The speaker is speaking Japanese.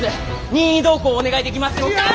任意同行お願いできますでしょうか。